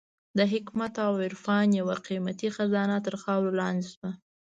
د حکمت او عرفان یوه قېمتي خزانه تر خاورو لاندې شوه.